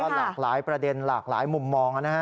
หลากหลายประเด็นหลากหลายมุมมองนะฮะ